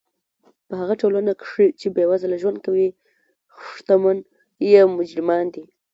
په هغه ټولنه کښي، چي بېوزله ژوند کوي، ښتمن ئې مجرمان يي.